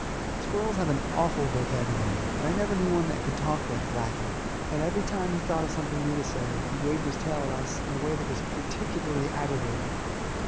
Squirrels have an awful vocabulary, but I never knew one that could talk like Blacky. And every time he thought of something new to say he waved his tail at us in a way that was particularly aggravating.